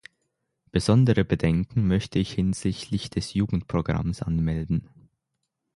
Besondere Bedenken möchte ich hinsichtlich des Jugendprogramms anmelden.